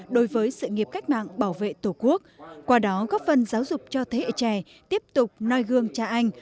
đối với sự nghiệp cách mạng bảo vệ tổ quốc qua đó góp phần giáo dục cho thế hệ trẻ tiếp tục noi gương cha anh